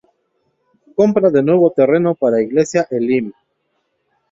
Compra de Nuevo Terreno para Iglesia Elim.